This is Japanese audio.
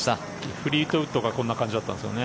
フリートウッドがこんな感じだったんですよね。